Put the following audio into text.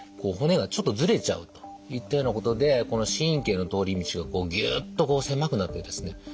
骨がちょっとずれちゃうといったようなことでこの神経の通り道がこうぎゅっと狭くなってですね